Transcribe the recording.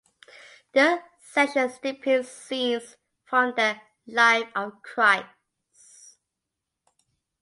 The sections depict scenes from the "Life of Christ".